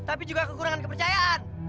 tapi juga kekurangan kepercayaan